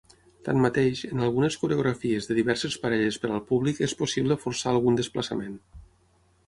Tanmateix, en algunes coreografies de diverses parelles per al públic és possible forçar algun desplaçament.